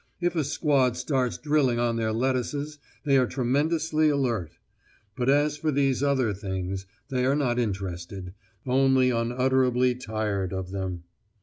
If a squad starts drilling on their lettuces, they are tremendously alert; but as for these other things, they are not interested, only unutterably tired of them.